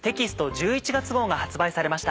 １１月号が発売されました。